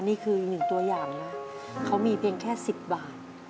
นี่คืออีกหนึ่งตัวอย่างนะเขามีเพียงแค่๑๐บาท